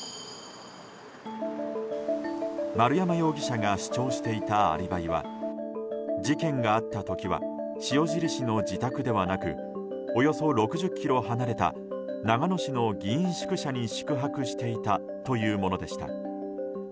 丸山容疑者が主張していたアリバイは事件があった時は塩尻市の自宅ではなくおよそ６０ｋｍ離れた長野市の議員宿舎に宿泊していたというものでした。